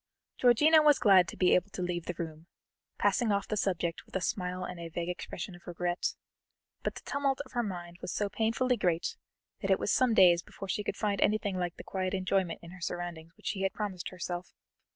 Georgiana was glad to be able to leave the room, passing off the subject with a smile and a vague expression of regret, but the tumult of her mind was so painfully great that it was some days before she could find anything like the quiet enjoyment in her surroundings which she had promised herself.